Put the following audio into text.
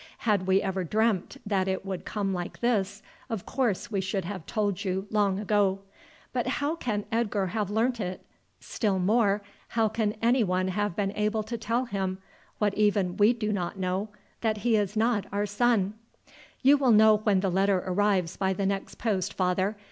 Had we ever dreamt that it would come like this, of course we should have told you long ago. But how can Edgar have learnt it? Still more, how can anyone have been able to tell him what even we do not know that he is not our son?" "You will know when the letter arrives by the next post, father.